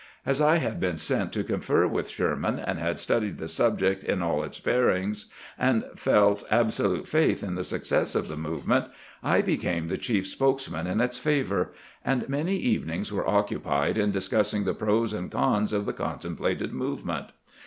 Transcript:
As I had been sent to confer with Sherman, and had studied the subject in aU its bearings, and felt absolute faith in the success of the movement, I became the chief spokesman in its favor ; and many evenings were occupied in discussing the pros and cons of the contemplated movement.